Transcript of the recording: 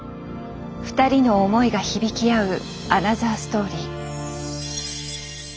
２人の思いが響き合うアナザーストーリー。